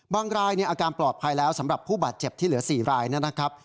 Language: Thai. รายอาการปลอดภัยแล้วสำหรับผู้บาดเจ็บที่เหลือ๔รายนะครับ